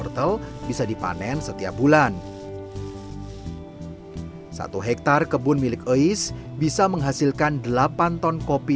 wortel bisa dipanen setiap bulan satu hektare kebun milik ois bisa menghasilkan delapan ton kopi